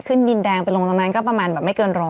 ดินแดงไปลงตรงนั้นก็ประมาณแบบไม่เกิน๑๐๐